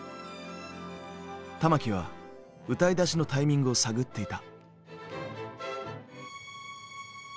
玉置は歌いだしのタイミングを探っていた。